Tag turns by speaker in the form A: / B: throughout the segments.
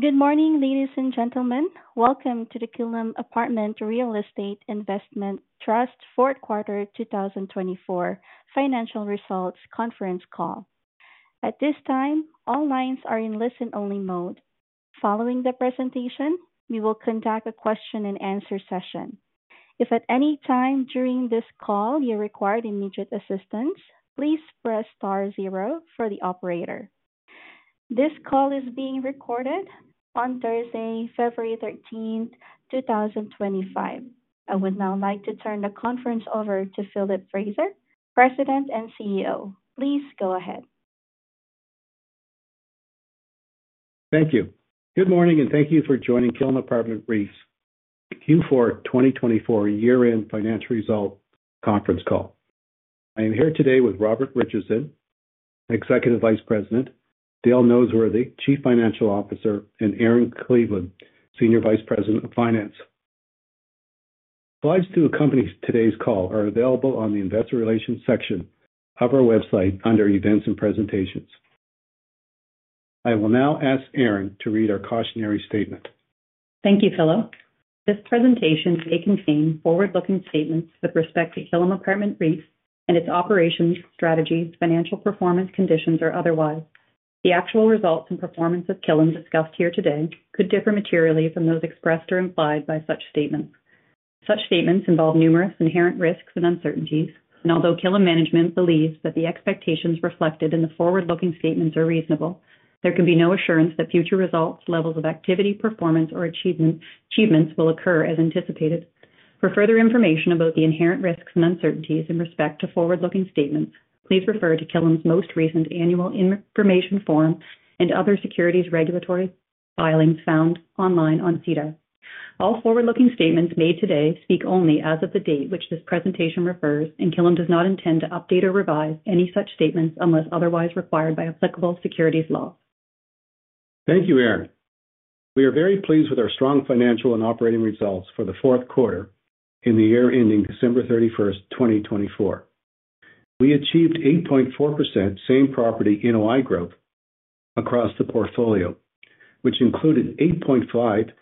A: Good morning, ladies and gentlemen. Welcome to the Killam Apartment REIT Fourth Quarter 2024 Financial Results Conference Call. At this time, all lines are in listen-only mode. Following the presentation, we will conduct a question-and-answer session. If at any time during this call you require immediate assistance, please press star zero for the operator. This call is being recorded on Thursday, February 13th, 2025. I would now like to turn the conference over to Philip Fraser, President and CEO. Please go ahead.
B: Thank you. Good morning, and thank you for joining Killam Apartment REIT's Q4 2024 Year-end Financial Results Conference Call. I am here today with Robert Richardson, Executive Vice President, Dale Noseworthy, Chief Financial Officer, and Erin Cleveland, Senior Vice President of Finance. Slides to accompany today's call are available on the Investor Relations section of our website under Events and Presentations. I will now ask Erin to read our cautionary statement.
C: Thank you, Philip. This presentation takes in forward-looking statements with respect to Killam Apartment REIT and its operations, strategies, financial performance conditions, or otherwise. The actual results and performance of Killam discussed here today could differ materially from those expressed or implied by such statements. Such statements involve numerous inherent risks and uncertainties, and although Killam Management believes that the expectations reflected in the forward-looking statements are reasonable, there can be no assurance that future results, levels of activity, performance, or achievements will occur as anticipated. For further information about the inherent risks and uncertainties in respect to forward-looking statements, please refer to Killam's most recent Annual Information Form and other securities regulatory filings found online on SEDAR+. All forward-looking statements made today speak only as of the date which this presentation refers, and Killam does not intend to update or revise any such statements unless otherwise required by applicable securities law.
B: Thank you, Erin. We are very pleased with our strong financial and operating results for the fourth quarter in the year ending December 31st, 2024. We achieved 8.4% same property NOI growth across the portfolio, which included 8.5%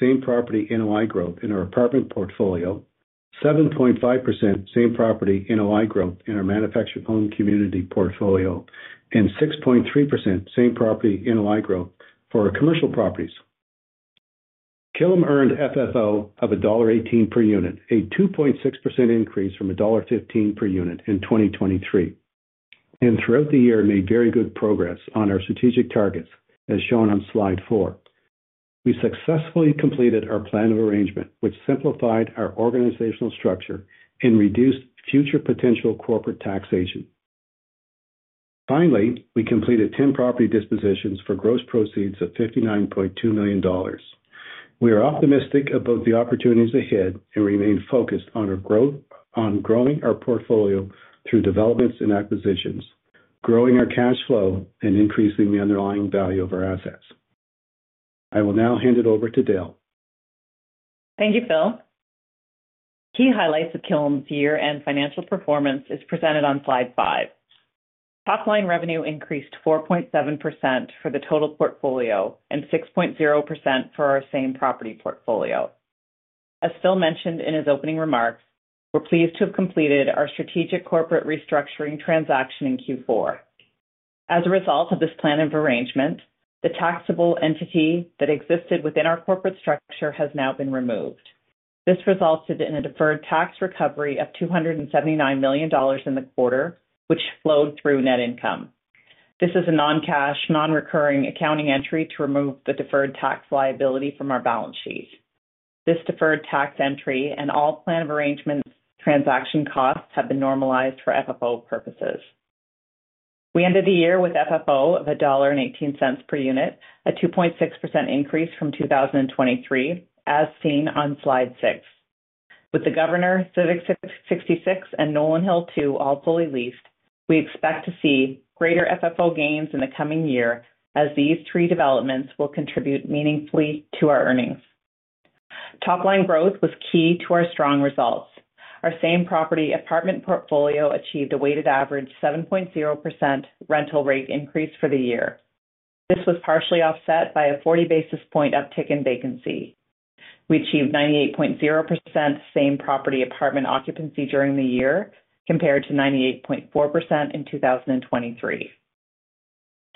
B: same property NOI growth in our apartment portfolio, 7.5% same property NOI growth in our manufactured home community portfolio, and 6.3% same property NOI growth for our commercial properties. Killam earned FFO of dollar 1.18 per unit, a 2.6% increase from dollar 1.15 per unit in 2023, and throughout the year made very good progress on our strategic targets as shown on slide four. We successfully completed our plan of arrangement, which simplified our organizational structure and reduced future potential corporate taxation. Finally, we completed 10 property dispositions for gross proceeds of 59.2 million. We are optimistic about the opportunities ahead and remain focused on growing our portfolio through developments and acquisitions, growing our cash flow, and increasing the underlying value of our assets. I will now hand it over to Dale.
D: Thank you, Phil. Key highlights of Killam's year-end financial performance are presented on slide five. Top-line revenue increased 4.7% for the total portfolio and 6.0% for our same property portfolio. As Phil mentioned in his opening remarks, we're pleased to have completed our strategic corporate restructuring transaction in Q4. As a result of this plan of arrangement, the taxable entity that existed within our corporate structure has now been removed. This resulted in a deferred tax recovery of 279 million dollars in the quarter, which flowed through net income. This is a non-cash, non-recurring accounting entry to remove the deferred tax liability from our balance sheet. This deferred tax entry and all plan of arrangement transaction costs have been normalized for FFO purposes. We ended the year with FFO of 1.18 dollar per unit, a 2.6% increase from 2023, as seen on slide six. With The Governor, Civic 66, and Nolan Hill II all fully leased, we expect to see greater FFO gains in the coming year as these three developments will contribute meaningfully to our earnings. Top-line growth was key to our strong results. Our same property apartment portfolio achieved a weighted average 7.0% rental rate increase for the year. This was partially offset by a 40 basis point uptick in vacancy. We achieved 98.0% same property apartment occupancy during the year compared to 98.4% in 2023.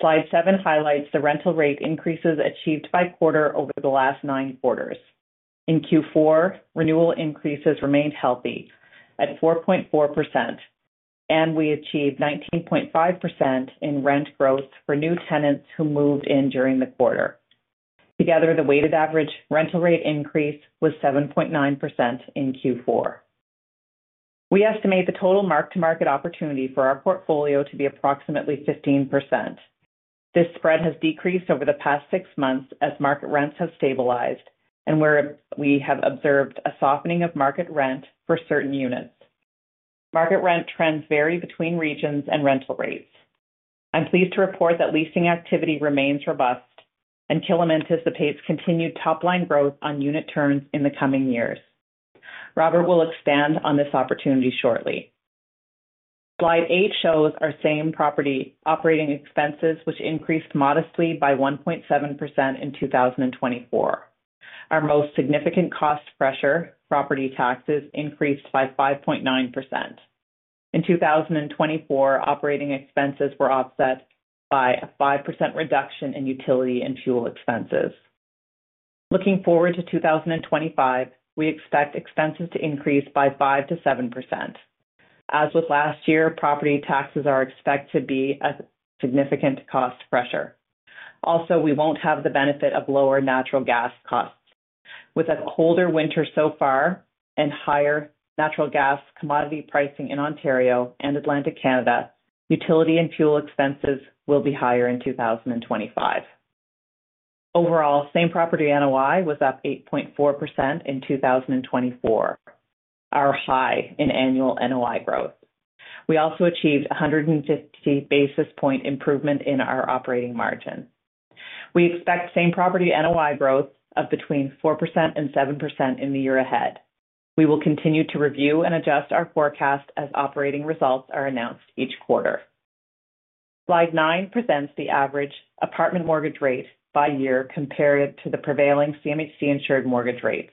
D: Slide seven highlights the rental rate increases achieved by quarter over the last nine quarters. In Q4, renewal increases remained healthy at 4.4%, and we achieved 19.5% in rent growth for new tenants who moved in during the quarter. Together, the weighted average rental rate increase was 7.9% in Q4. We estimate the total mark-to-market opportunity for our portfolio to be approximately 15%. This spread has decreased over the past six months as market rents have stabilized, and we have observed a softening of market rent for certain units. Market rent trends vary between regions and rental rates. I'm pleased to report that leasing activity remains robust, and Killam anticipates continued top-line growth on unit turns in the coming years. Robert will expand on this opportunity shortly. Slide eight shows our same property operating expenses, which increased modestly by 1.7% in 2024. Our most significant cost pressure, property taxes, increased by 5.9%. In 2024, operating expenses were offset by a 5% reduction in utility and fuel expenses. Looking forward to 2025, we expect expenses to increase by 5%-7%. As with last year, property taxes are expected to be a significant cost pressure. Also, we won't have the benefit of lower natural gas costs. With a colder winter so far and higher natural gas commodity pricing in Ontario and Atlantic Canada, utility and fuel expenses will be higher in 2025. Overall, same property NOI was up 8.4% in 2024, our high in annual NOI growth. We also achieved 150 basis point improvement in our operating margin. We expect same property NOI growth of between 4% and 7% in the year ahead. We will continue to review and adjust our forecast as operating results are announced each quarter. Slide nine presents the average apartment mortgage rate by year compared to the prevailing CMHC-insured mortgage rates.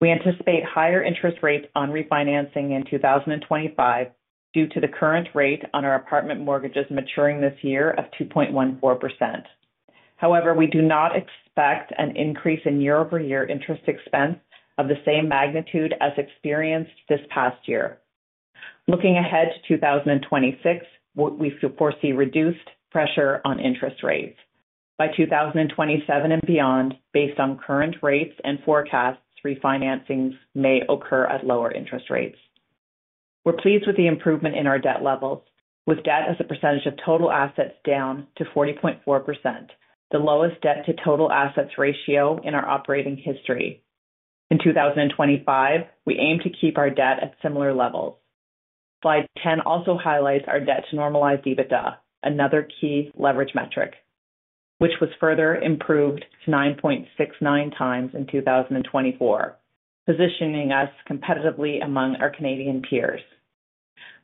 D: We anticipate higher interest rates on refinancing in 2025 due to the current rate on our apartment mortgages maturing this year of 2.14%. However, we do not expect an increase in year-over-year interest expense of the same magnitude as experienced this past year. Looking ahead to 2026, we foresee reduced pressure on interest rates. By 2027 and beyond, based on current rates and forecasts, refinancings may occur at lower interest rates. We're pleased with the improvement in our debt levels, with debt as a percentage of total assets down to 40.4%, the lowest debt-to-total assets ratio in our operating history. In 2025, we aim to keep our debt at similar levels. Slide 10 also highlights our debt-to-normalized EBITDA, another key leverage metric, which was further improved to 9.69 times in 2024, positioning us competitively among our Canadian peers.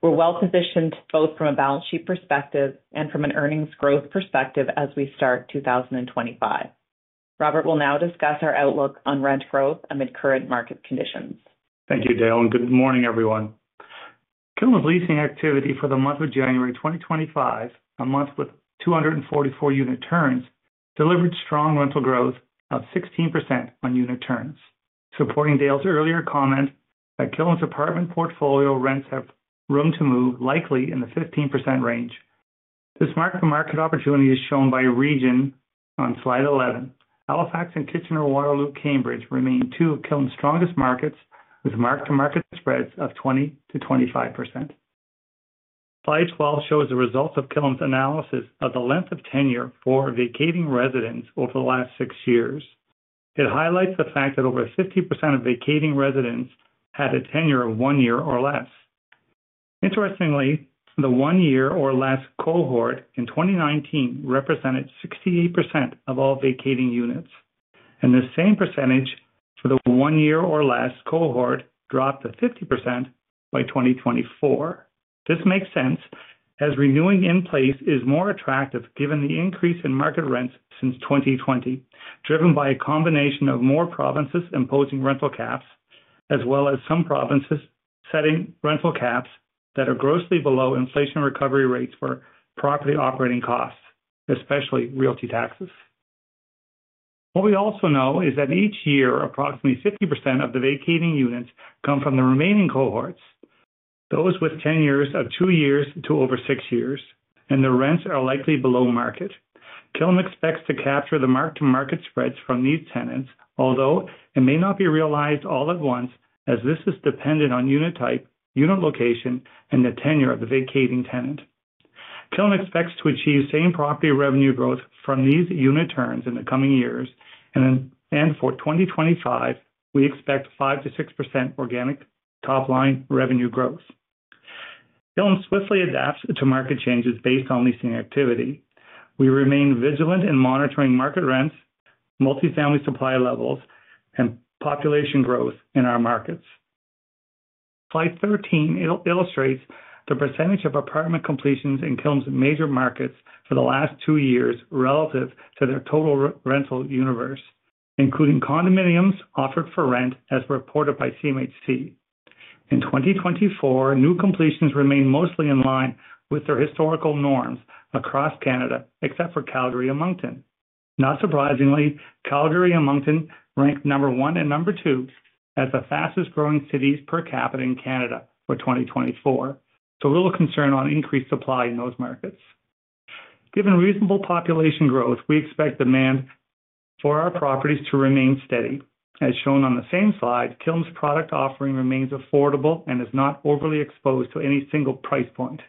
D: We're well-positioned both from a balance sheet perspective and from an earnings growth perspective as we start 2025. Robert will now discuss our outlook on rent growth amid current market conditions.
E: Thank you, Dale, and good morning, everyone. Killam's leasing activity for the month of January 2025, a month with 244 unit turns, delivered strong rental growth of 16% on unit turns. Supporting Dale's earlier comment that Killam's apartment portfolio rents have room to move likely in the 15% range, this mark-to-market opportunity is shown by a region on slide 11. Halifax and Kitchener, Waterloo, Cambridge remain two of Killam's strongest markets with mark-to-market spreads of 20%-25%. Slide 12 shows the results of Killam's analysis of the length of tenure for vacating residents over the last six years. It highlights the fact that over 50% of vacating residents had a tenure of one year or less. Interestingly, the one-year-or-less cohort in 2019 represented 68% of all vacating units, and the same percentage for the one-year-or-less cohort dropped to 50% by 2024. This makes sense as renewing in place is more attractive given the increase in market rents since 2020, driven by a combination of more provinces imposing rental caps, as well as some provinces setting rental caps that are grossly below inflation recovery rates for property operating costs, especially realty taxes. What we also know is that each year, approximately 50% of the vacating units come from the remaining cohorts, those with tenures of two years to over six years, and the rents are likely below market. Killam expects to capture the mark-to-market spreads from these tenants, although it may not be realized all at once as this is dependent on unit type, unit location, and the tenure of the vacating tenant. Killam expects to achieve same property revenue growth from these unit turns in the coming years, and for 2025, we expect 5%-6% organic top-line revenue growth. Killam swiftly adapts to market changes based on leasing activity. We remain vigilant in monitoring market rents, multifamily supply levels, and population growth in our markets. Slide 13 illustrates the percentage of apartment completions in Killam's major markets for the last two years relative to their total rental universe, including condominiums offered for rent as reported by CMHC. In 2024, new completions remain mostly in line with their historical norms across Canada, except for Calgary and Moncton. Not surprisingly, Calgary and Moncton ranked number one and number two as the fastest-growing cities per capita in Canada for 2024, so little concern on increased supply in those markets. Given reasonable population growth, we expect demand for our properties to remain steady. As shown on the same slide, Killam's product offering remains affordable and is not overly exposed to any single price point.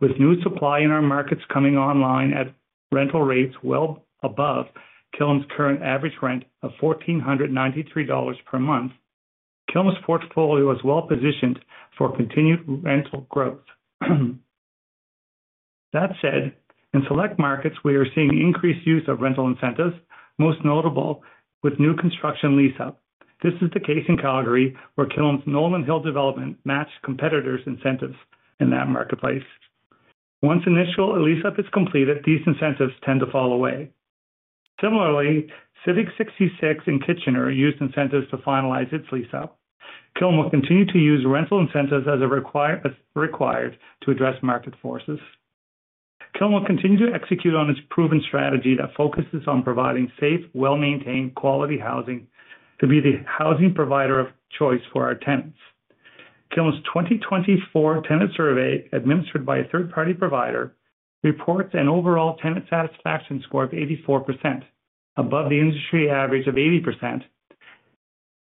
E: With new supply in our markets coming online at rental rates well above Killam's current average rent of 1,493 dollars per month, Killam's portfolio is well-positioned for continued rental growth. That said, in select markets, we are seeing increased use of rental incentives, most notable with new construction lease-up. This is the case in Calgary, where Killam's Nolan Hill development matched competitors' incentives in that marketplace. Once initial lease-up is completed, these incentives tend to fall away. Similarly, Civic 66 and Kitchener used incentives to finalize its lease-up. Killam will continue to use rental incentives as required to address market forces. Killam will continue to execute on its proven strategy that focuses on providing safe, well-maintained quality housing to be the housing provider of choice for our tenants. Killam's 2024 tenant survey administered by a third-party provider reports an overall tenant satisfaction score of 84%, above the industry average of 80%,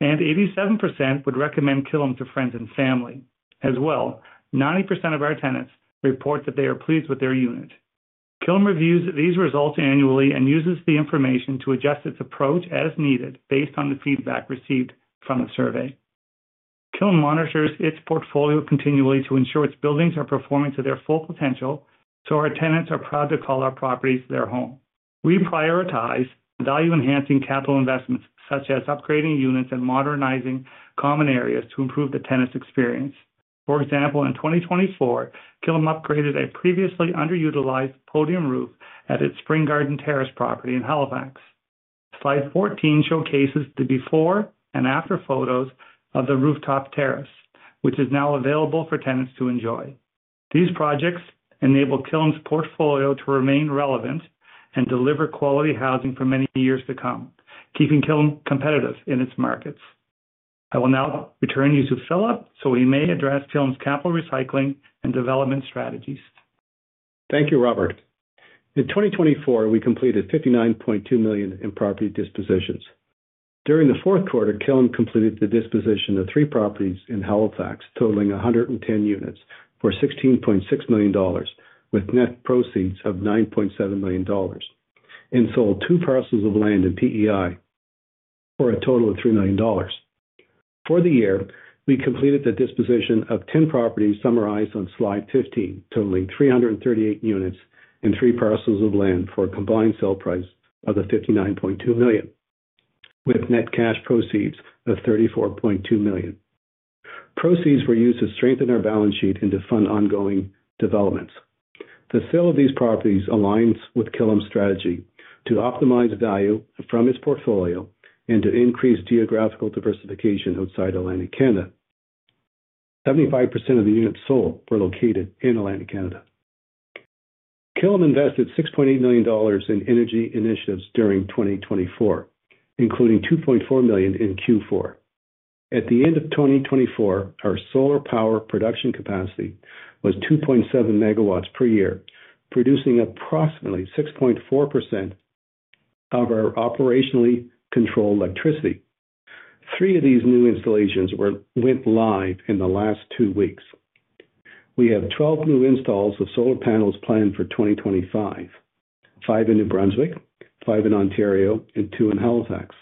E: and 87% would recommend Killam to friends and family. As well, 90% of our tenants report that they are pleased with their unit. Killam reviews these results annually and uses the information to adjust its approach as needed based on the feedback received from the survey. Killam monitors its portfolio continually to ensure its buildings are performing to their full potential, so our tenants are proud to call our properties their home. We prioritize value-enhancing capital investments such as upgrading units and modernizing common areas to improve the tenants' experience. For example, in 2024, Killam upgraded a previously underutilized podium roof at its Spring Garden Terrace property in Halifax. Slide 14 showcases the before and after photos of the rooftop terrace, which is now available for tenants to enjoy. These projects enable Killam's portfolio to remain relevant and deliver quality housing for many years to come, keeping Killam competitive in its markets. I will now return you to Philip so we may address Killam's capital recycling and development strategies.
B: Thank you, Robert. In 2024, we completed 59.2 million in property dispositions. During the fourth quarter, Killam completed the disposition of three properties in Halifax totaling 110 units for 16.6 million dollars, with net proceeds of 9.7 million dollars, and sold two parcels of land in PEI for a total of 3 million dollars. For the year, we completed the disposition of 10 properties summarized on slide 15, totaling 338 units and three parcels of land for a combined sale price of 59.2 million, with net cash proceeds of 34.2 million. Proceeds were used to strengthen our balance sheet and to fund ongoing developments. The sale of these properties aligns with Killam's strategy to optimize value from its portfolio and to increase geographical diversification outside Atlantic Canada. 75% of the units sold were located in Atlantic Canada. Killam invested 6.8 million dollars in energy initiatives during 2024, including 2.4 million in Q4. At the end of 2024, our solar power production capacity was 2.7 megawatts per year, producing approximately 6.4% of our operationally controlled electricity. Three of these new installations went live in the last two weeks. We have 12 new installs of solar panels planned for 2025, five in New Brunswick, five in Ontario, and two in Halifax.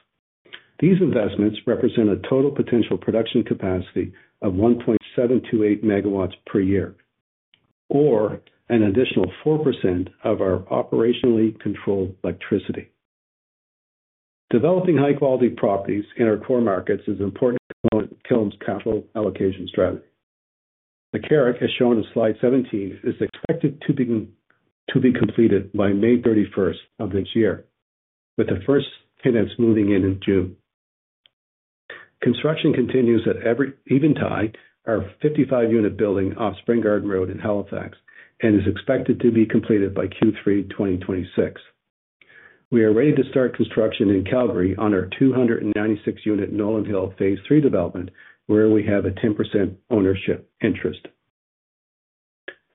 B: These investments represent a total potential production capacity of 1.728 megawatts per year, or an additional 4% of our operationally controlled electricity. Developing high-quality properties in our core markets is an important component of Killam's capital allocation strategy. The Kayak as shown on slide 17 is expected to be completed by May 31 of this year, with the first tenants moving in in June. Construction continues at Eventide, our 55-unit building off Spring Garden Road in Halifax, and is expected to be completed by Q3 2026. We are ready to start construction in Calgary on our 296-unit Nolan Hill Phase III development, where we have a 10% ownership interest.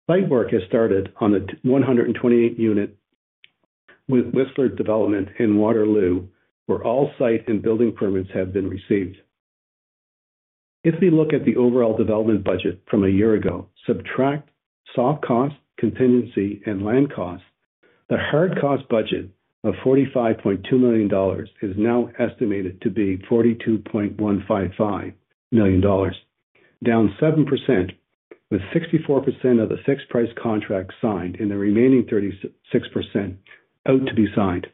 B: Site work has started on the 128-unit Whistler development in Waterloo, where all site and building permits have been received. If we look at the overall development budget from a year ago, subtract soft costs, contingency, and land costs, the hard cost budget of 45.2 million dollars is now estimated to be 42.155 million dollars, down 7%, with 64% of the fixed-price contract signed and the remaining 36% out to be signed.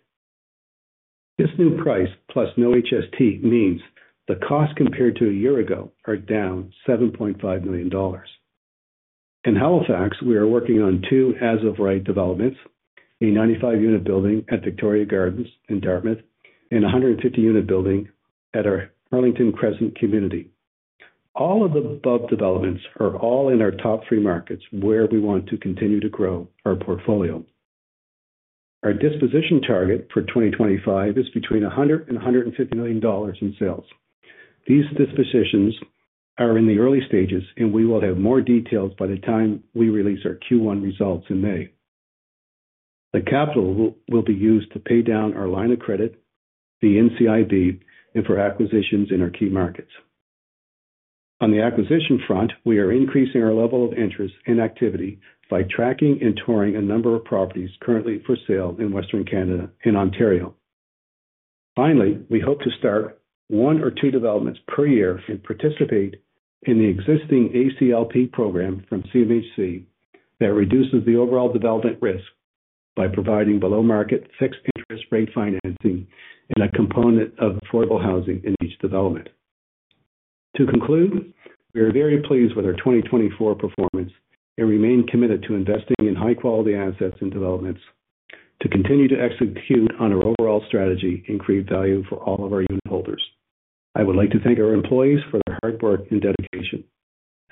B: This new price, plus no HST, means the costs compared to a year ago are down 7.5 million dollars. In Halifax, we are working on two as-of-right developments, a 95-unit building at Victoria Gardens in Dartmouth and a 150-unit building at our Arlington Crescent community. All of the above developments are all in our top three markets where we want to continue to grow our portfolio. Our disposition target for 2025 is between 100 million dollars and CAD 150 million in sales. These dispositions are in the early stages, and we will have more details by the time we release our Q1 results in May. The capital will be used to pay down our line of credit, the NCIB, and for acquisitions in our key markets. On the acquisition front, we are increasing our level of interest and activity by tracking and touring a number of properties currently for sale in Western Canada and Ontario. Finally, we hope to start one or two developments per year and participate in the existing ACLP program from CMHC that reduces the overall development risk by providing below-market fixed-interest rate financing and a component of affordable housing in each development. To conclude, we are very pleased with our 2024 performance and remain committed to investing in high-quality assets and developments to continue to execute on our overall strategy and create value for all of our unit holders. I would like to thank our employees for their hard work and dedication.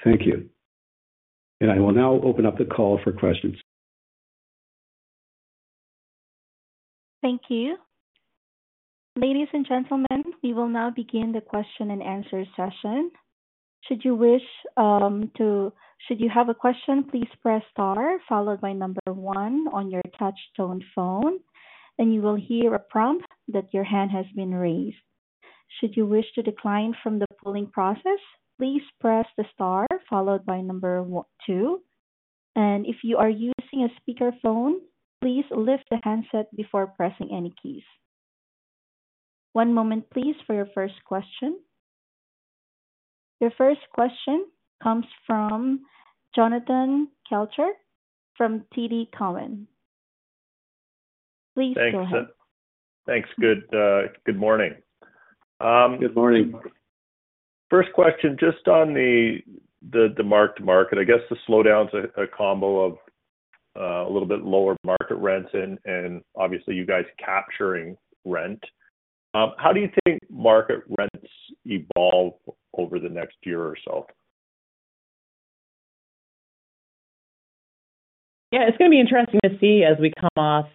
B: Thank you. And I will now open up the call for questions.
A: Thank you. Ladies and gentlemen, we will now begin the question-and-answer session. Should you have a question, please press star, followed by number one on your touch-tone phone, and you will hear a prompt that your hand has been raised. Should you wish to decline from the polling process, please press the star, followed by number two. And if you are using a speakerphone, please lift the handset before pressing any keys. One moment, please, for your first question. Your first question comes from Jonathan Kelcher from TD Cowen. Please go ahead.
F: Thanks. Good morning.
B: Good morning.
F: First question, just on the mark-to-market, I guess the slowdown's a combo of a little bit lower market rents and, obviously, you guys capturing rent. How do you think market rents evolve over the next year or so?
D: Yeah, it's going to be interesting to see as we come off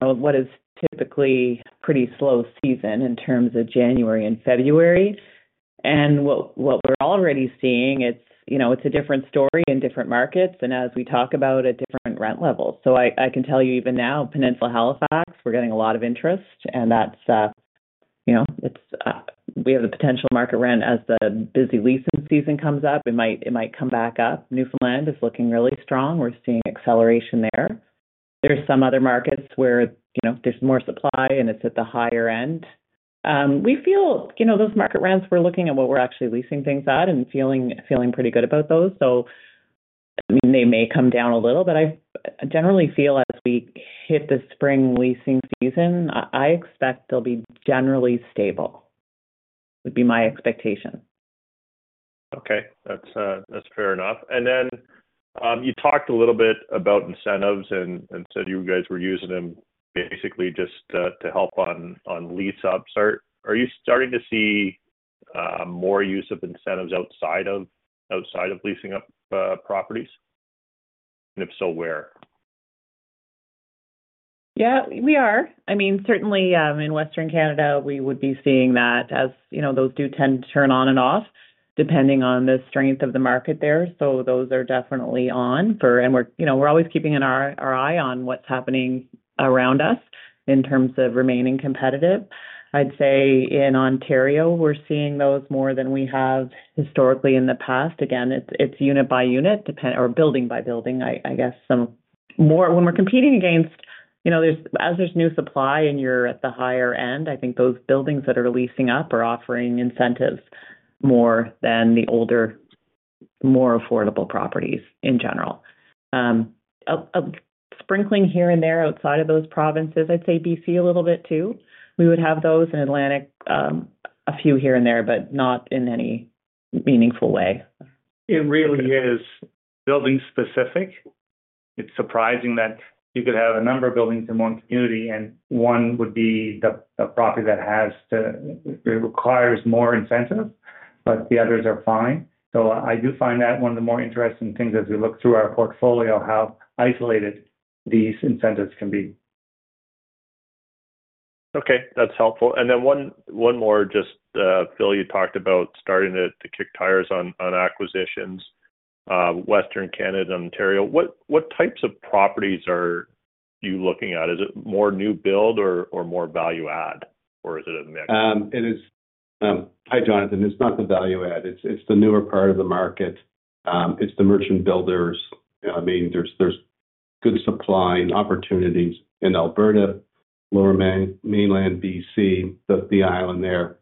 D: what is typically a pretty slow season in terms of January and February, and what we're already seeing. It's a different story in different markets and as we talk about a different rent level, so I can tell you even now, Peninsula Halifax, we're getting a lot of interest, and we have the potential market rent as the busy leasing season comes up. It might come back up. Newfoundland is looking really strong. We're seeing acceleration there. There's some other markets where there's more supply and it's at the higher end. We feel those market rents. We're looking at what we're actually leasing things at and feeling pretty good about those, so I mean, they may come down a little, but I generally feel as we hit the spring leasing season, I expect they'll be generally stable. It would be my expectation.
F: Okay. That's fair enough. And then you talked a little bit about incentives and said you guys were using them basically just to help on lease-ups. Are you starting to see more use of incentives outside of leasing up properties? And if so, where?
D: Yeah, we are. I mean, certainly in Western Canada, we would be seeing that as those do tend to turn on and off depending on the strength of the market there. So those are definitely on. And we're always keeping our eye on what's happening around us in terms of remaining competitive. I'd say in Ontario, we're seeing those more than we have historically in the past. Again, it's unit by unit or building by building, I guess. When we're competing against, as there's new supply and you're at the higher end, I think those buildings that are leasing up are offering incentives more than the older, more affordable properties in general. Sprinkling here and there outside of those provinces, I'd say BC a little bit too. We would have those in Atlantic, a few here and there, but not in any meaningful way.
F: It really is building-specific. It's surprising that you could have a number of buildings in one community, and one would be a property that requires more incentive, but the others are fine. So I do find that one of the more interesting things as we look through our portfolio how isolated these incentives can be. Okay. That's helpful. And then one more, just Phil, you talked about starting to kick tires on acquisitions, Western Canada, Ontario. What types of properties are you looking at? Is it more new build or more value-add, or is it a mix?
B: Hi, Jonathan. It's not the value-add. It's the newer part of the market. It's the merchant builders. I mean, there's good supply and opportunities in Alberta, Lower Mainland, BC, the Island there.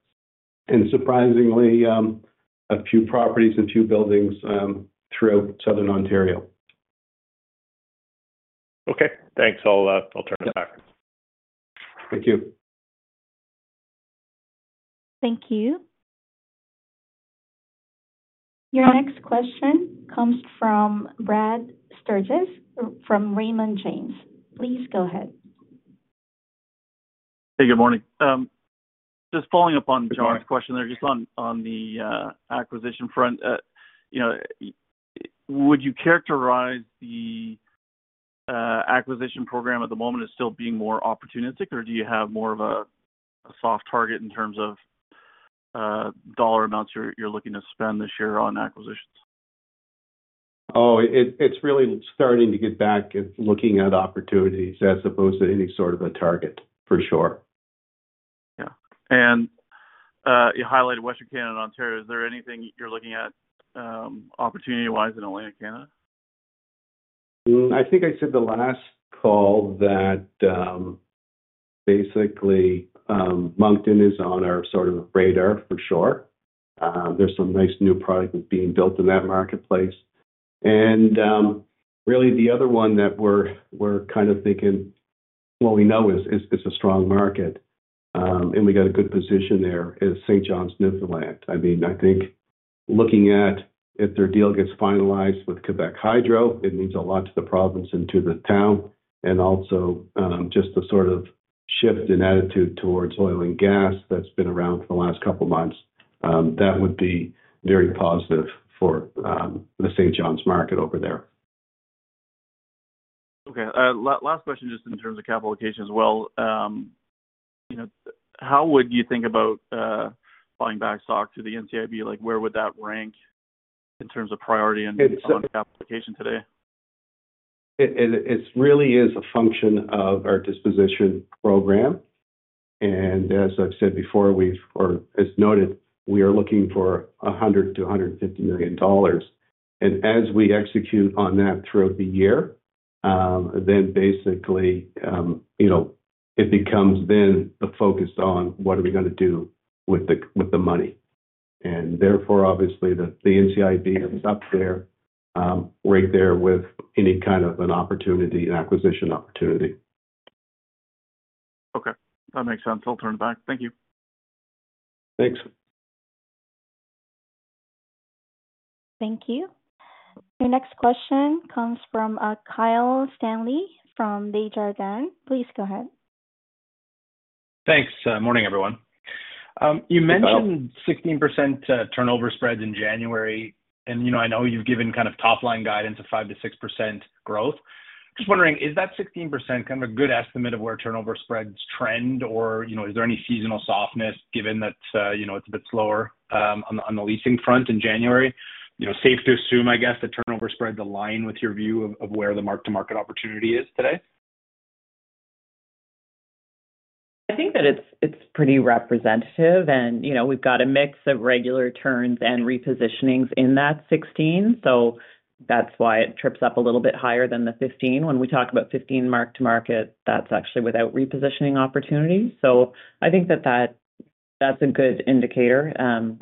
B: And surprisingly, a few properties and few buildings throughout Southern Ontario.
F: Okay. Thanks. I'll turn it back.
B: Thank you.
A: Thank you. Your next question comes from Brad Sturges from Raymond James. Please go ahead.
G: Hey, good morning. Just following up on Jon's question there, just on the acquisition front, would you characterize the acquisition program at the moment as still being more opportunistic, or do you have more of a soft target in terms of dollar amounts you're looking to spend this year on acquisitions?
B: Oh, it's really starting to get back to looking at opportunities as opposed to any sort of a target, for sure.
G: Yeah. And you highlighted Western Canada and Ontario. Is there anything you're looking at opportunity-wise in Atlantic Canada?
B: I think I said the last call that basically Moncton is on our sort of radar, for sure. There's some nice new product being built in that marketplace. And really, the other one that we're kind of thinking, well, we know it's a strong market, and we got a good position there is St. John's, Newfoundland. I mean, I think looking at if their deal gets finalized with Hydro-Québec, it means a lot to the province and to the town. And also just the sort of shift in attitude towards oil and gas that's been around for the last couple of months, that would be very positive for the St. John's market over there.
G: Okay. Last question just in terms of capital allocation as well. How would you think about buying back stock to the NCIB? Where would that rank in terms of priority and capital allocation today?
B: It really is a function of our disposition program. As I've said before, or as noted, we are looking for 100 million-150 million dollars. As we execute on that throughout the year, then basically it becomes then focused on what are we going to do with the money. Therefore, obviously, the NCIB is up there, right there with any kind of an opportunity, an acquisition opportunity.
G: Okay. That makes sense. I'll turn it back. Thank you.
B: Thanks.
A: Thank you. Your next question comes from Kyle Stanley from Desjardins. Please go ahead.
H: Thanks. Morning, everyone. You mentioned 16% turnover spreads in January, and I know you've given kind of top-line guidance of 5%-6% growth. Just wondering, is that 16% kind of a good estimate of where turnover spreads trend, or is there any seasonal softness given that it's a bit slower on the leasing front in January? Safe to assume, I guess, that turnover spreads align with your view of where the mark-to-market opportunity is today?
D: I think that it's pretty representative, and we've got a mix of regular turns and repositionings in that 16, so that's why it trips up a little bit higher than the 15. When we talk about 15 mark-to-market, that's actually without repositioning opportunities, so I think that that's a good indicator.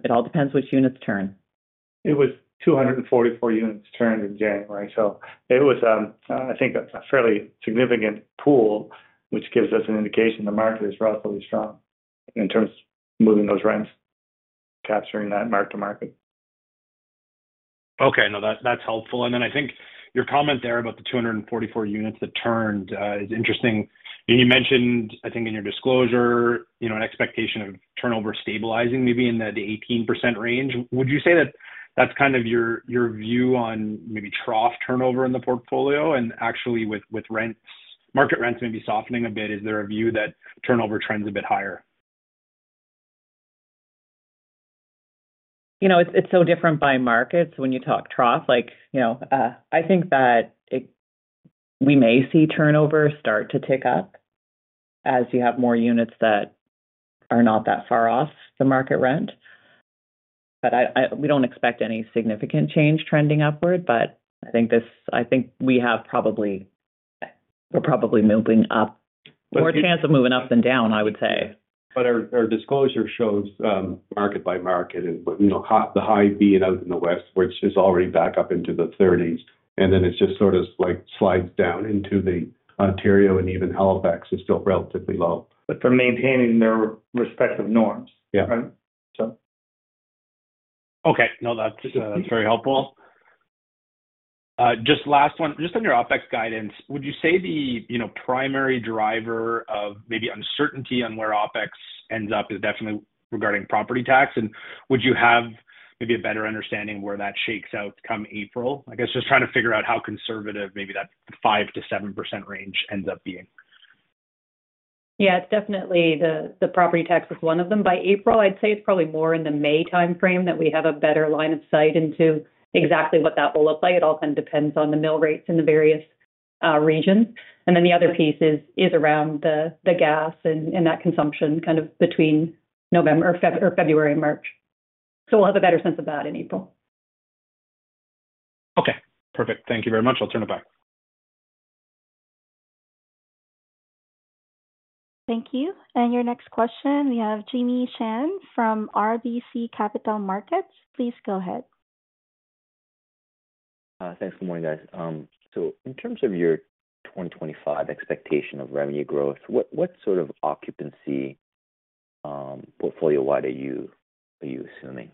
D: It all depends which units turn.
B: It was 244 units turned in January. So it was, I think, a fairly significant pool, which gives us an indication the market is relatively strong in terms of moving those rents, capturing that mark-to-market.
H: Okay. No, that's helpful. And then I think your comment there about the 244 units that turned is interesting. And you mentioned, I think, in your disclosure, an expectation of turnover stabilizing maybe in the 18% range. Would you say that that's kind of your view on maybe trough turnover in the portfolio? And actually, with market rents maybe softening a bit, is there a view that turnover trends a bit higher?
D: It's so different by markets when you talk through. I think that we may see turnover start to tick up as you have more units that are not that far off the market rent, but we don't expect any significant change trending upward, but I think we're probably moving up. More chance of moving up than down, I would say.
B: But our disclosure shows market by market, the high being out in the west, which is already back up into the 30s. And then it just sort of slides down into the Ontario, and even Halifax is still relatively low.
H: But they're maintaining their respective norms, right?
B: Yeah.
H: Okay. No, that's very helpful. Just last one. Just on your OpEx guidance, would you say the primary driver of maybe uncertainty on where OpEx ends up is definitely regarding property tax? And would you have maybe a better understanding where that shakes out come April? I guess just trying to figure out how conservative maybe that 5%-7% range ends up being.
D: Yeah, definitely the property tax is one of them. By April, I'd say it's probably more in the May timeframe that we have a better line of sight into exactly what that will look like. It all kind of depends on the mill rates in the various regions, and then the other piece is around the gas and that consumption kind of between November or February and March, so we'll have a better sense of that in April.
H: Okay. Perfect. Thank you very much. I'll turn it back.
A: Thank you. And your next question, we have Jimmy Shan from RBC Capital Markets. Please go ahead.
I: Thanks for the morning, guys. So in terms of your 2025 expectation of revenue growth, what sort of occupancy portfolio-wide are you assuming?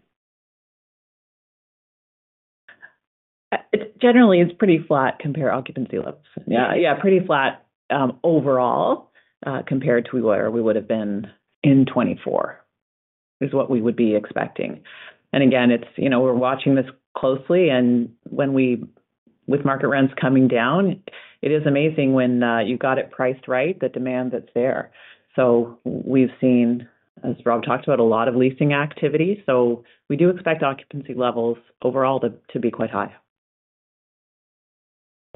D: Generally, it's pretty flat compared to occupancy levels. Yeah, yeah, pretty flat overall compared to where we would have been in 2024 is what we would be expecting. And again, we're watching this closely. And with market rents coming down, it is amazing when you've got it priced right, the demand that's there. So we've seen, as Rob talked about, a lot of leasing activity. So we do expect occupancy levels overall to be quite high.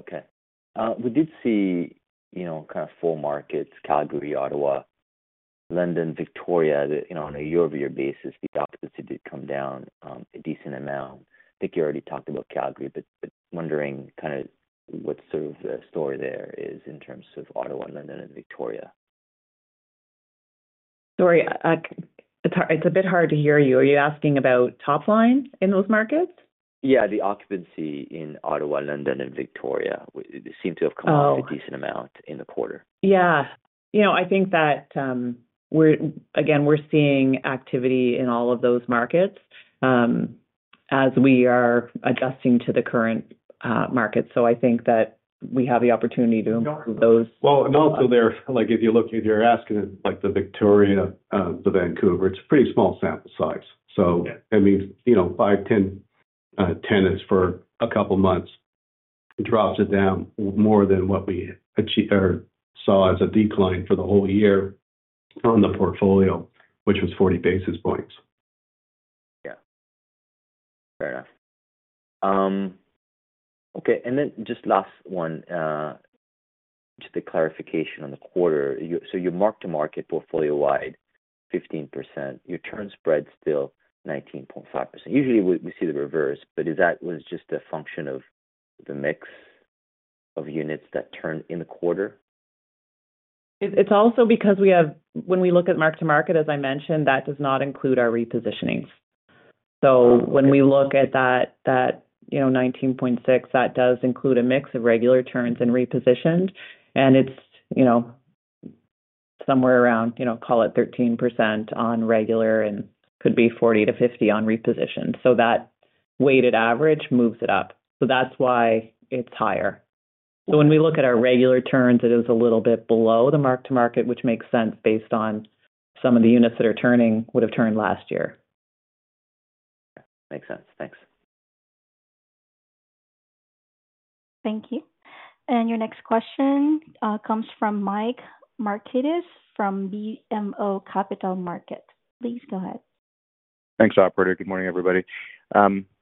I: Okay. We did see kind of four markets: Calgary, Ottawa, London, Victoria. On a year-over-year basis, the occupancy did come down a decent amount. I think you already talked about Calgary, but wondering kind of what sort of the story there is in terms of Ottawa, London, and Victoria.
D: Sorry, it's a bit hard to hear you. Are you asking about top line in those markets?
I: Yeah, the occupancy in Ottawa, London, and Victoria seem to have come up a decent amount in the quarter.
D: Yeah. I think that, again, we're seeing activity in all of those markets as we are adjusting to the current market. So I think that we have the opportunity to improve those.
B: And also there, if you're asking the Victoria, the Vancouver, it's a pretty small sample size. So that means five, 10 tenants for a couple of months. It drops it down more than what we saw as a decline for the whole year on the portfolio, which was 40 basis points.
I: Yeah. Fair enough. Okay, and then just last one, just a clarification on the quarter. So your mark-to-market portfolio-wide, 15%. Your turn spread still 19.5%. Usually, we see the reverse, but is that just a function of the mix of units that turned in the quarter?
D: It's also because when we look at mark-to-market, as I mentioned, that does not include our repositionings. So when we look at that 19.6%, that does include a mix of regular turns and repositioned. And it's somewhere around, call it 13% on regular and could be 40%-50% on repositioned. So that weighted average moves it up. So that's why it's higher. So when we look at our regular turns, it is a little bit below the mark-to-market, which makes sense based on some of the units that would have turned last year.
I: Okay. Makes sense. Thanks.
C: Thank you. And your next question comes from Mike Markidis from BMO Capital Markets. Please go ahead.
J: Thanks, operator. Good morning, everybody.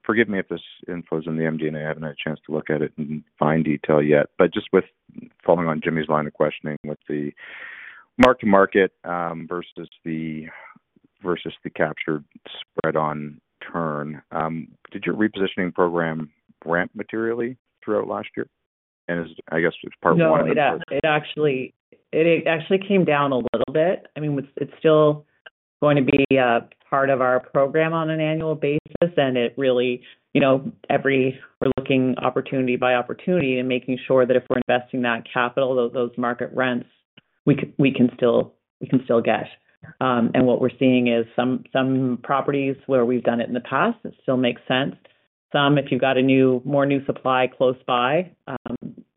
J: Forgive me if this info is in the MD and I haven't had a chance to look at it in fine detail yet. But just following on Jimmy's line of questioning with the mark-to-market versus the capture spread on turn, did your repositioning program ramp materially throughout last year? And I guess it's part one of that question.
D: Yeah, it actually came down a little bit. I mean, it's still going to be part of our program on an annual basis, and it really, everywhere we're looking opportunity by opportunity and making sure that if we're investing that capital, those market rents, we can still get, and what we're seeing is some properties where we've done it in the past, it still makes sense. Some, if you've got a more new supply close by,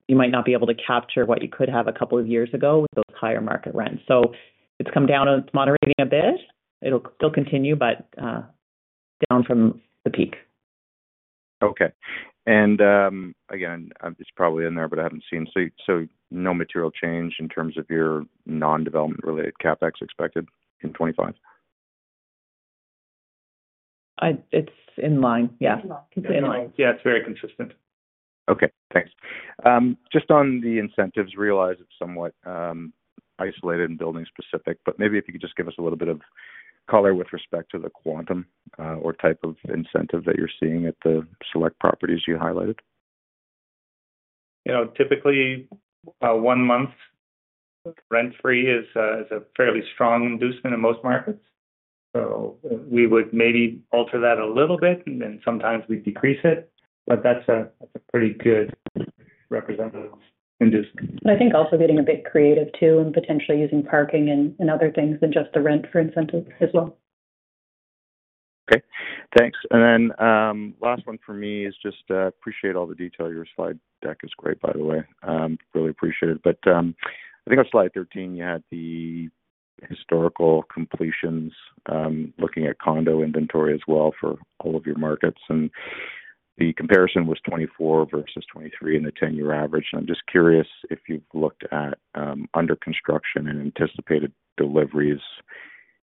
D: you might not be able to capture what you could have a couple of years ago with those higher market rents, so it's come down. It's moderating a bit. It'll still continue, but down from the peak.
J: Okay. And again, it's probably in there, but I haven't seen. So no material change in terms of your non-development-related CapEx expected in 2025?
D: It's in line. Yeah. It's in line.
B: Yeah, it's very consistent.
J: Okay. Thanks. Just on the incentives, realize it's somewhat isolated and building-specific, but maybe if you could just give us a little bit of color with respect to the quantum or type of incentive that you're seeing at the select properties you highlighted?
B: Typically, one month rent-free is a fairly strong inducement in most markets. So we would maybe alter that a little bit, and then sometimes we decrease it. But that's a pretty good representative inducement.
D: And I think also getting a bit creative too and potentially using parking and other things than just the rent for incentive as well.
J: Okay. Thanks. And then the last one for me is just, I appreciate all the detail. Your slide deck is great, by the way. Really appreciate it. But I think on slide 13, you had the historical completions looking at condo inventory as well for all of your markets. And the comparison was 2024 versus 2023 in the 10-year average. And I'm just curious if you've looked at under construction and anticipated deliveries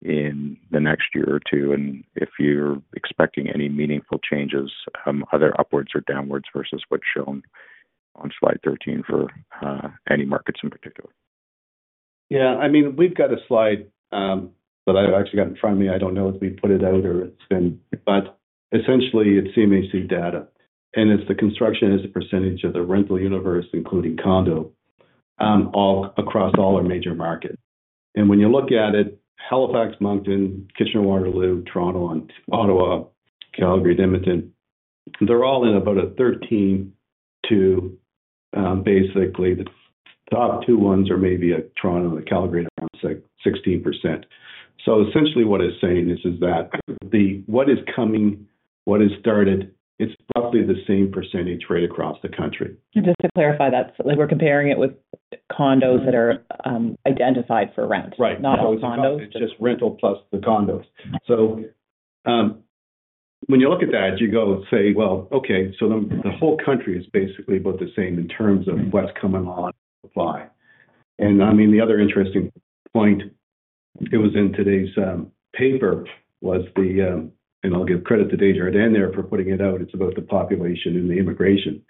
J: in the next year or two, and if you're expecting any meaningful changes, are there upwards or downwards versus what's shown on slide 13 for any markets in particular?
B: Yeah. I mean, we've got a slide, but I've actually got it in front of me. I don't know if we put it out or it's been. But essentially, it's CMHC data. And it's the construction as a percentage of the rental universe, including condo, across all our major markets. And when you look at it, Halifax, Moncton, Kitchener, Waterloo, Toronto, Ottawa, Calgary, Edmonton, they're all in about a 13% to basically the top two ones are maybe at Toronto and Calgary at around 16%. So essentially what it's saying is that what is coming, what is started, it's roughly the same percentage rate across the country.
D: Just to clarify, we're comparing it with condos that are identified for rent, not condos.
B: Right. It's just rental plus the condos. So when you look at that, you go say, "Well, okay. So the whole country is basically about the same in terms of what's coming on supply." And I mean, the other interesting point, it was in today's paper, and I'll give credit to Dale in there for putting it out. It's about the population and the immigration.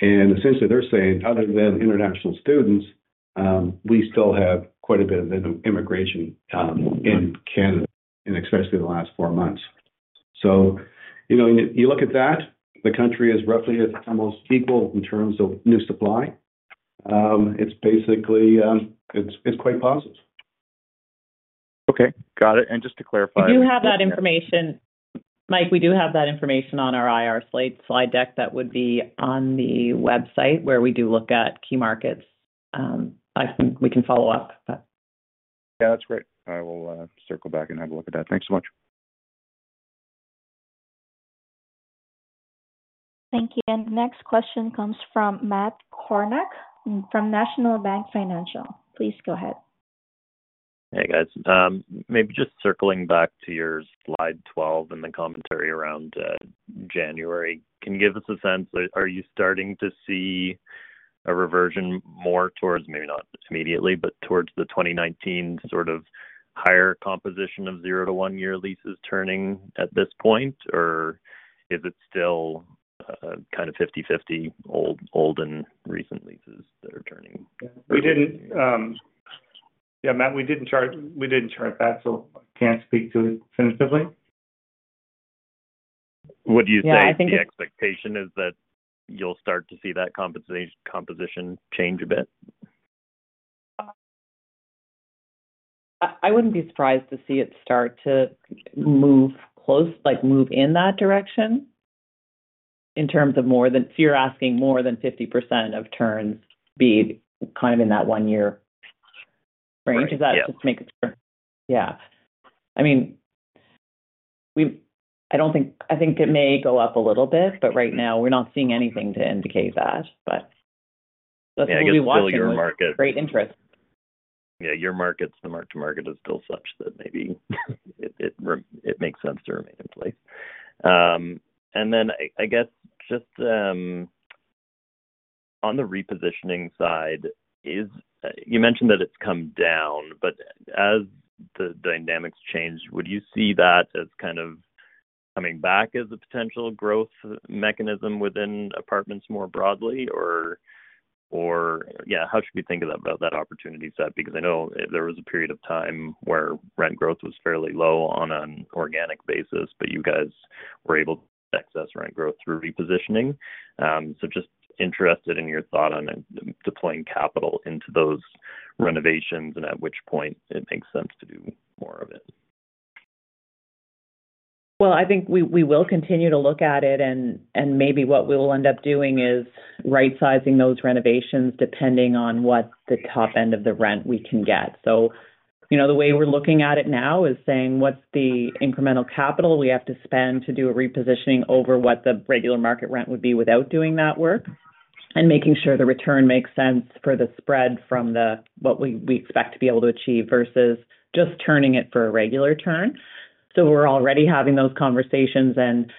B: And essentially, they're saying, "Other than international students, we still have quite a bit of immigration in Canada, and especially the last four months." So you look at that, the country is roughly almost equal in terms of new supply. It's quite positive.
J: Okay. Got it. And just to clarify.
D: We do have that information. Mike, we do have that information on our IR slide deck that would be on the website where we do look at key markets. We can follow up.
J: Yeah, that's great. I will circle back and have a look at that. Thanks so much.
A: Thank you. And the next question comes from Matt Kornack from National Bank Financial. Please go ahead.
K: Hey, guys. Maybe just circling back to your slide 12 and the commentary around January, can you give us a sense? Are you starting to see a reversion more towards maybe not immediately, but towards the 2019 sort of higher composition of zero to one-year leases turning at this point? Or is it still kind of 50/50 old and recent leases that are turning?
B: Yeah, Matt, we didn't chart that, so I can't speak to it tentatively.
K: What do you say? The expectation is that you'll start to see that composition change a bit?
D: I wouldn't be surprised to see it start to move in that direction in terms of more than if you're asking more than 50% of turns be kind of in that one-year range. Just making sure. Yeah. I mean, I think it may go up a little bit, but right now, we're not seeing anything to indicate that. But we want to see great interest.
K: Yeah. Your markets, the mark-to-market is still such that maybe it makes sense to remain in place. And then I guess just on the repositioning side, you mentioned that it's come down, but as the dynamics change, would you see that as kind of coming back as a potential growth mechanism within apartments more broadly? Or yeah, how should we think about that opportunity set? Because I know there was a period of time where rent growth was fairly low on an organic basis, but you guys were able to access rent growth through repositioning. So just interested in your thought on deploying capital into those renovations and at which point it makes sense to do more of it.
D: Well, I think we will continue to look at it. And maybe what we will end up doing is right-sizing those renovations depending on what the top end of the rent we can get. So the way we're looking at it now is saying, "What's the incremental capital we have to spend to do a repositioning over what the regular market rent would be without doing that work?" And making sure the return makes sense for the spread from what we expect to be able to achieve versus just turning it for a regular turn. So we're already having those conversations and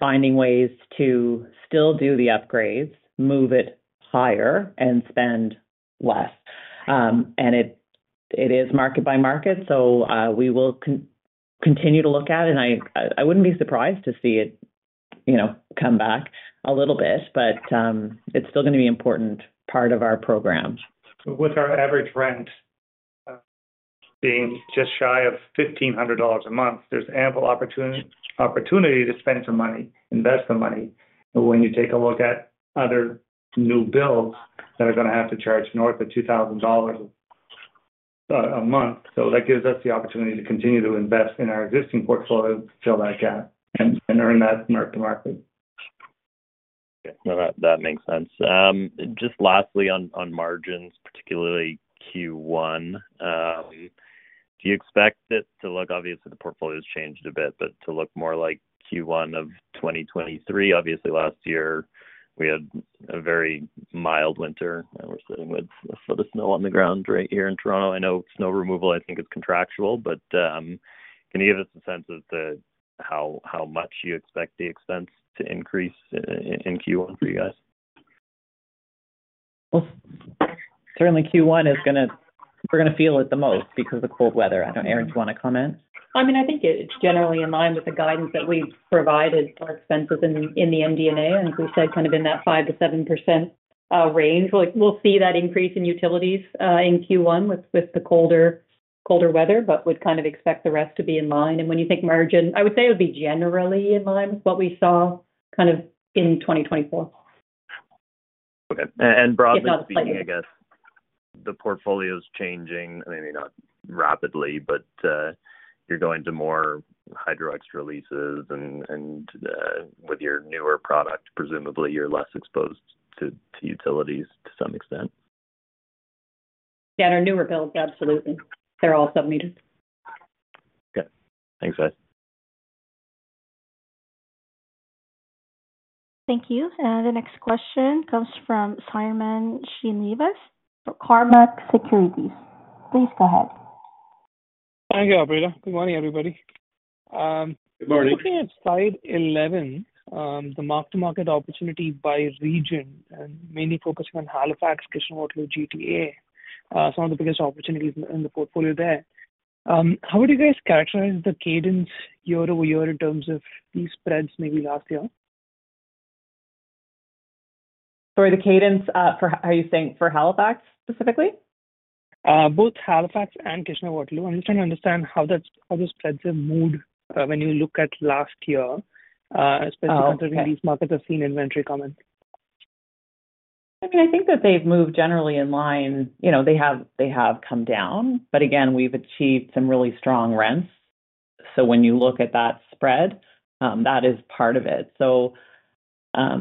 D: finding ways to still do the upgrades, move it higher, and spend less. And it is market-by-market, so we will continue to look at it. I wouldn't be surprised to see it come back a little bit, but it's still going to be an important part of our program.
B: With our average rent being just shy of 1,500 dollars a month, there's ample opportunity to spend some money, invest some money. When you take a look at other new builds that are going to have to charge north of 2,000 dollars a month, so that gives us the opportunity to continue to invest in our existing portfolio, fill that gap, and earn that mark-to-market.
K: Okay. No, that makes sense. Just lastly, on margins, particularly Q1, do you expect it to look – obviously the portfolio has changed a bit, but – to look more like Q1 of 2023? Obviously, last year, we had a very mild winter, and we're sitting with a foot of snow on the ground right here in Toronto. I know snow removal, I think, is contractual, but can you give us a sense of how much you expect the expense to increase in Q1 for you guys?
D: Certainly, Q1 is going to, we're going to feel it the most because of the cold weather. I don't know. Erin, do you want to comment?
C: I mean, I think it's generally in line with the guidance that we've provided for expenses in the MD&A, as we said, kind of in that 5%-7% range. We'll see that increase in utilities in Q1 with the colder weather, but would kind of expect the rest to be in line, and when you think margin, I would say it would be generally in line with what we saw kind of in 2024.
K: Okay, and broadly speaking, I guess, the portfolio's changing, maybe not rapidly, but you're going to more hydro extra leases, and with your newer product, presumably, you're less exposed to utilities to some extent.
D: Yeah, our newer builds, absolutely. They're all submetered.
K: Okay. Thanks, guys.
A: Thank you. And the next question comes from Sairam Srinivas for Cormark Securities. Please go ahead.
L: Hi there, everybody. Good morning, everybody.
B: Good morning.
L: Looking at slide 11, the Mark-to-market opportunity by region, and mainly focusing on Halifax, Kitchener, Waterloo, GTA, some of the biggest opportunities in the portfolio there. How would you guys characterize the cadence year over year in terms of these spreads maybe last year?
D: Sorry, the cadence for how you think for Halifax specifically?
L: Both Halifax and Kitchener, Waterloo. I'm just trying to understand how those spreads have moved when you look at last year, especially considering these markets have seen inventory come in.
D: I mean, I think that they've moved generally in line. They have come down, but again, we've achieved some really strong rents. So when you look at that spread, that is part of it. So I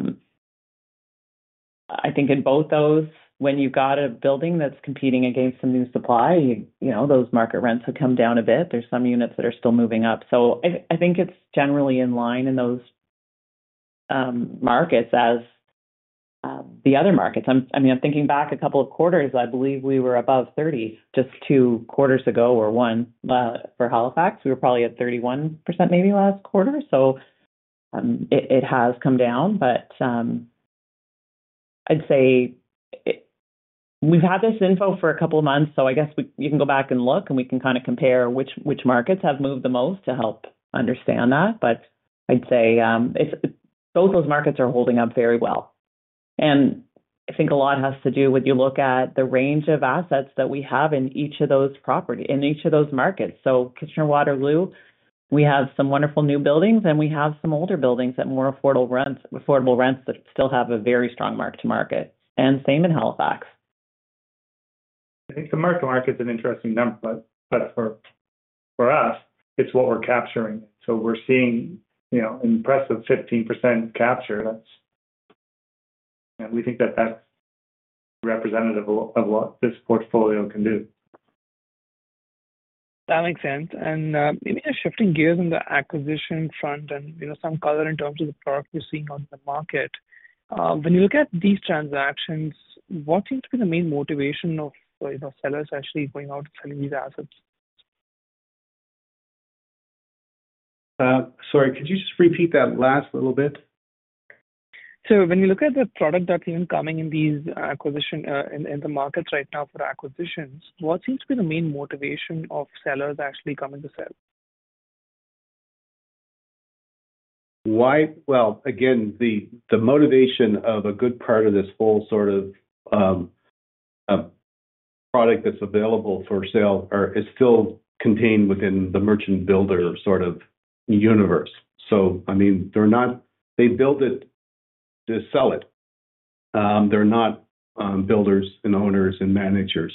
D: think in both those, when you've got a building that's competing against some new supply, those market rents have come down a bit. There's some units that are still moving up. So I think it's generally in line in those markets as the other markets. I mean, I'm thinking back a couple of quarters. I believe we were above 30 just two quarters ago or one for Halifax. We were probably at 31% maybe last quarter. So it has come down, but I'd say we've had this info for a couple of months, so I guess you can go back and look, and we can kind of compare which markets have moved the most to help understand that. But I'd say both those markets are holding up very well. And I think a lot has to do when you look at the range of assets that we have in each of those markets. So Kitchener, Waterloo, we have some wonderful new buildings, and we have some older buildings at more affordable rents that still have a very strong mark-to-market. And same in Halifax.
B: I think the mark-to-market's an interesting number, but for us, it's what we're capturing. So we're seeing an impressive 15% capture. We think that that's representative of what this portfolio can do.
L: That makes sense, and maybe a shift in gears on the acquisition front and some color in terms of the product you're seeing on the market. When you look at these transactions, what seems to be the main motivation of sellers actually going out and selling these assets?
B: Sorry, could you just repeat that last little bit?
L: When you look at the product that's even coming in these acquisitions in the markets right now for acquisitions, what seems to be the main motivation of sellers actually coming to sell?
B: Again, the motivation of a good part of this whole sort of product that's available for sale is still contained within the merchant-builder sort of universe. I mean, they build it to sell it. They're not builders and owners and managers.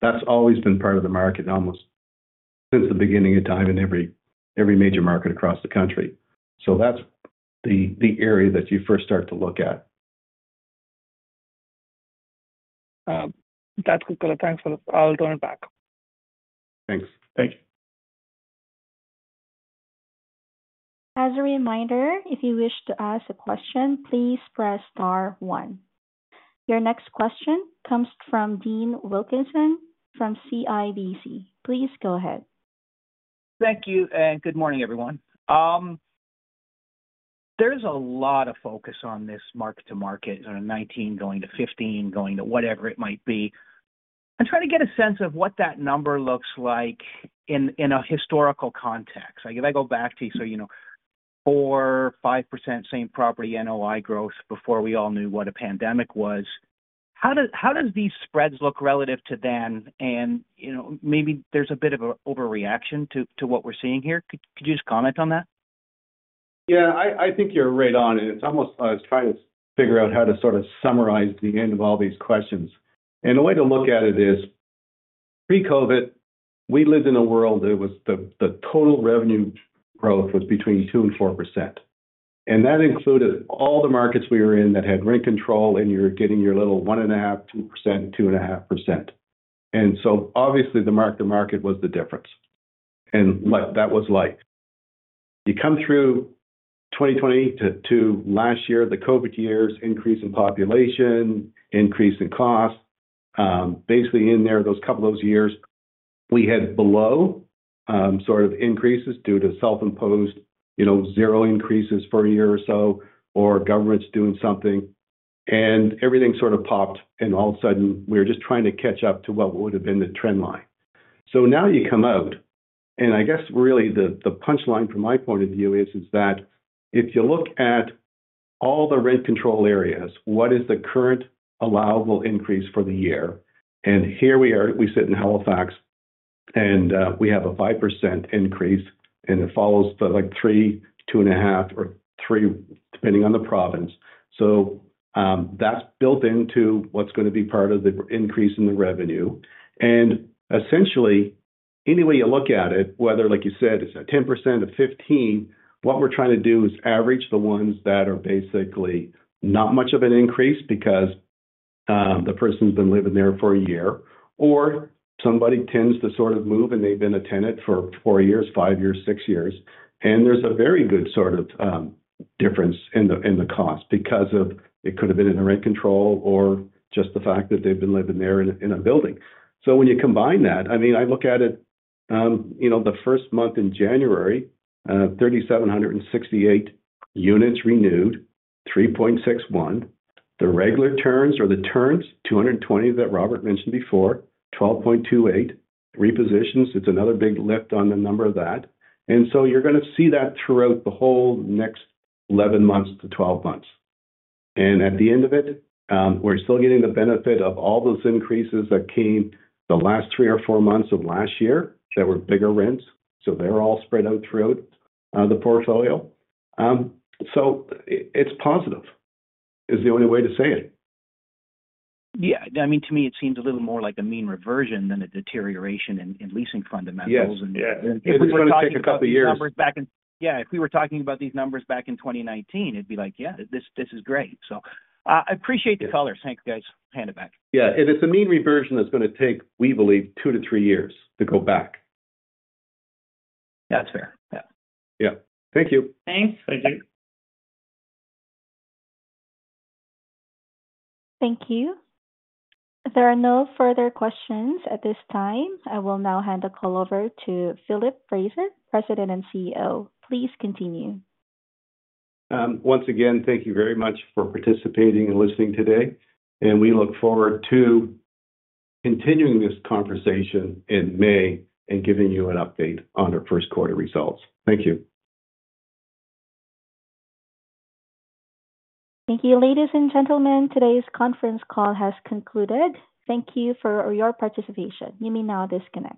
B: That's always been part of the market almost since the beginning of time in every major market across the country. That's the area that you first start to look at.
L: That's good. Thanks. I'll turn it back.
B: Thanks. Thanks.
A: As a reminder, if you wish to ask a question, please press star one. Your next question comes from Dean Wilkinson from CIBC. Please go ahead.
M: Thank you. Good morning, everyone. There's a lot of focus on this mark-to-market, 19 going to 15, going to whatever it might be. I'm trying to get a sense of what that number looks like in a historical context. If I go back to, so 4-5% same property NOI growth before we all knew what a pandemic was, how does these spreads look relative to then? Maybe there's a bit of an overreaction to what we're seeing here. Could you just comment on that?
B: Yeah. I think you're right on, and it's almost I was trying to figure out how to sort of summarize the end of all these questions, and the way to look at it is, pre-COVID, we lived in a world that was the total revenue growth was between 2% and 4%. That included all the markets we were in that had rent control, and you were getting your little 1.5%, 2%, 2.5%. So obviously, the mark-to-market was the difference and what that was like. You come through 2020 to last year, the COVID years, increase in population, increase in cost. Basically, in there, those couple of years, we had below sort of increases due to self-imposed zero increases for a year or so or governments doing something. Everything sort of popped, and all of a sudden, we were just trying to catch up to what would have been the trend line. Now you come out, and I guess really the punchline from my point of view is that if you look at all the rent control areas, what is the current allowable increase for the year? Here we are, we sit in Halifax, and we have a 5% increase, and it follows the 3%, 2.5%, or 3%, depending on the province. That's built into what's going to be part of the increase in the revenue. Essentially, any way you look at it, whether, like you said, it's a 10% or 15%, what we're trying to do is average the ones that are basically not much of an increase because the person's been living there for a year, or somebody tends to sort of move, and they've been a tenant for four years, five years, six years. There's a very good sort of difference in the cost because it could have been in the rent control or just the fact that they've been living there in a building. When you combine that, I mean, I look at it the first month in January, 3,768 units renewed, 3.61%. The regular turns or the turns, 220 that Robert mentioned before, 12.28%. Repositions, it's another big lift on the number of that. And so you're going to see that throughout the whole next 11 months to 12 months. And at the end of it, we're still getting the benefit of all those increases that came the last three or four months of last year that were bigger rents. So they're all spread out throughout the portfolio. So it's positive, is the only way to say it.
M: Yeah. I mean, to me, it seems a little more like a mean reversion than a deterioration in leasing fundamentals.
B: Yeah. If we were talking a couple of years.
M: Yeah. If we were talking about these numbers back in 2019, it'd be like, "Yeah, this is great." So I appreciate the color. Thanks, guys. Hand it back.
B: Yeah, and it's a mean reversion that's going to take, we believe, two to three years to go back.
M: That's fair. Yeah.
B: Yeah. Thank you.
E: Thanks.
B: Thank you.
A: Thank you. There are no further questions at this time. I will now hand the call over to Philip Fraser, President and CEO. Please continue.
B: Once again, thank you very much for participating and listening today. And we look forward to continuing this conversation in May and giving you an update on our first quarter results. Thank you.
A: Thank you, ladies and gentlemen. Today's conference call has concluded. Thank you for your participation. You may now disconnect.